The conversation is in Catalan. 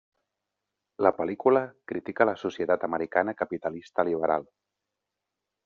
La pel·lícula crítica la societat americana capitalista liberal.